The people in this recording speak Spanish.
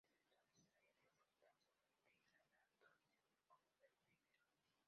Desde entonces el área de Fustat se fue degradando y se usó como vertedero.